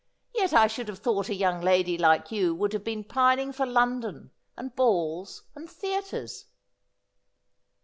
' Yet I should have thought a young lady like you would have been pining for Lon don, and balls and theatres.'